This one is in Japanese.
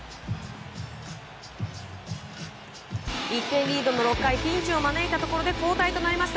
１点リードの６回、ピンチを招いたところで交代となります。